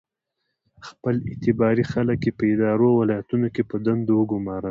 خپل اعتباري خلک یې په ادارو او ولایتونو کې په دندو وګومارل.